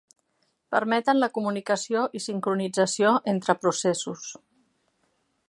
Permeten la comunicació i sincronització entre processos.